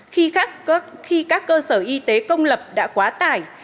khi các cơ sở y tế công lập đã quá tải